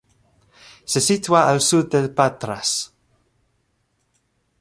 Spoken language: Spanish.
Se sitúa al sur de Patras.